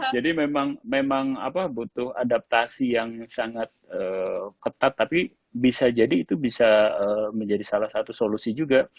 jadi memang butuh adaptasi yang sangat ketat tapi bisa jadi itu bisa menjadi salah satu solusi juga